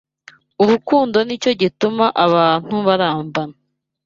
Urukundo nicyo gituma abantu barambana